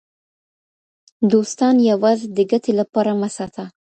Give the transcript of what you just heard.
دوستان یوازې د ګټې لپاره مه ساته.